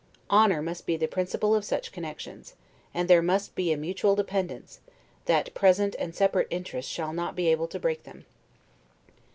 Honor must be the principle of such connections; and there must be a mutual dependence, that present and separate interest shall not be able to break them.